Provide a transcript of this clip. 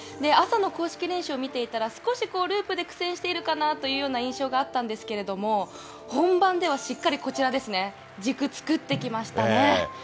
朝の公式練習を見ていたら少しこう、ループで苦戦しているかなというような印象があったんですけれども、本番ではしっかり、こちらですね、軸作ってきましたね。